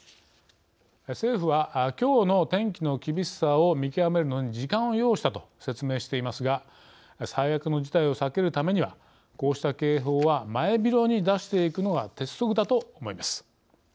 政府は、きょうの天気の厳しさを見極めるのに時間を要したと説明していますが最悪の事態を避けるためにはこうした警報は前広に出していくのが鉄則だと思います。